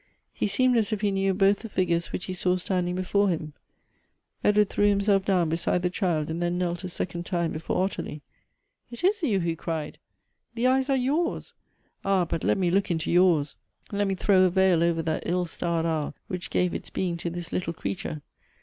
He seemed as if he knew both the figures which he saw standing before him. Edward threw himself down beside the child, and then knelt a sec ond time before Ottilie. " It is you," he cried : "the eyes are yours ! ah, but let me look into yours ; let me throw a veil over that ill starred hour which gave its being to this little creature.